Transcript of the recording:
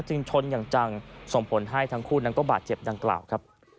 ชนอย่างจังส่งผลให้ทั้งคู่นั้นก็บาดเจ็บดังกล่าวครับ